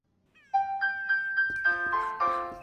潮湿的气候可能防止糖硬化。